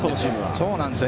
そうなんですよ。